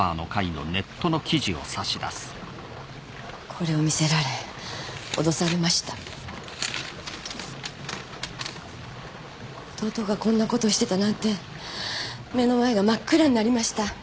これを見せられ脅されました弟がこんなことをしてたなんて目の前が真っ暗になりました